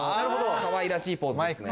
かわいらしいポーズですね。